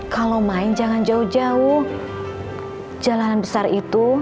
kenapa dia yang n tamp plaster di belakang diamant